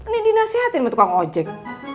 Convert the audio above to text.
nih di nasihatin mah tukang ojek